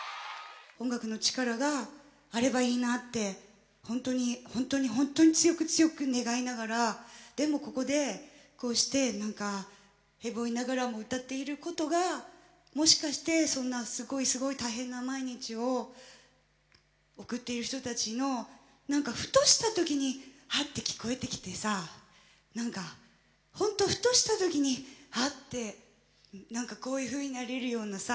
音楽の力があればいいなってほんとにほんとにほんとに強く強く願いながらでもここでこうして何かへぼいながらも歌っていることがもしかしてそんなすごいすごい大変な毎日を送っている人たちの何かふとした時にハッて聞こえてきてさ何かほんとふとした時にハッてこういうふうになれるようなさ